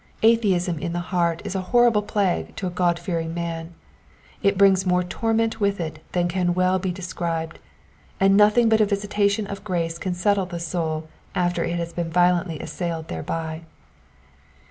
Atheism in the heart is a horrible plague to a God fearing man, it brings more torment with it than can well be described ; and nothing but a visitation of grace can settle the soul after it has been violently assailed thereby.